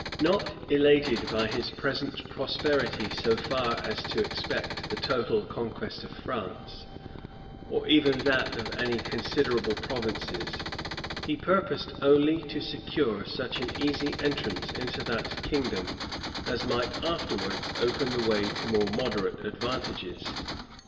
Not elated by his present prosperity so far as to expect the total conquest of France, or even that of any considerable provinces, he purposed only to secure such an easy entrance into that kingdom, as might afterwards open the way to more moderate advantages.